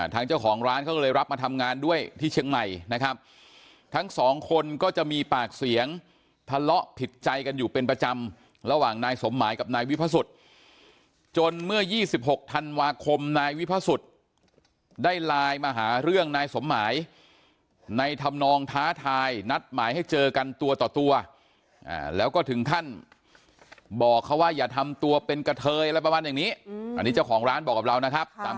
ทางเจ้าของร้านเขาก็เลยรับมาทำงานด้วยที่เชียงใหม่นะครับทั้งสองคนก็จะมีปากเสียงทะเลาะผิดใจกันอยู่เป็นประจำระหว่างนายสมหมายกับนายวิพสุทธิ์จนเมื่อ๒๖ธันวาคมนายวิพสุทธิ์ได้ไลน์มาหาเรื่องนายสมหมายในธรรมนองท้าทายนัดหมายให้เจอกันตัวต่อตัวแล้วก็ถึงขั้นบอกเขาว่าอย่าทำตัวเป็นกะเทยอะไรประมาณอย่างนี้อันนี้เจ้าของร้านบอกกับเรานะครับตาม